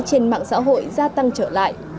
trên mạng xã hội gia tăng trở lại